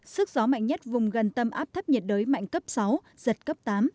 sức gió mạnh nhất vùng gần tâm áp thấp nhiệt đới mạnh cấp sáu giật cấp tám